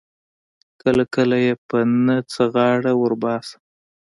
کله کله یې په نه څه غاړه ور وباسم.